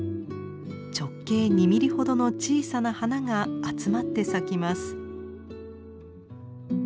直径２ミリほどの小さな花が集まって咲きます。